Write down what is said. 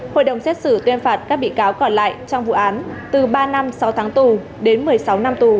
hội đồng xét xử tuyên phạt các bị cáo còn lại trong vụ án từ ba năm sáu tháng tù đến một mươi sáu năm tù